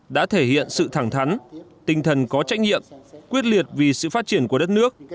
đã thể hiện sự thẳng thắn tinh thần có trách nhiệm quyết liệt vì sự phát triển của đất nước